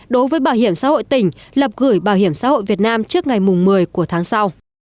đối với bảo hiểm xã hội tỉnh lập gửi bảo hiểm xã hội việt nam trước ngày một mươi của tháng sau